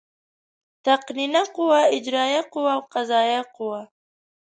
تقنینیه قوه، اجرائیه قوه او قضایه قوه.